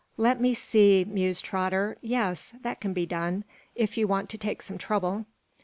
"Let me see," mused Trotter. "Yes; that can be done, if you want to take some trouble.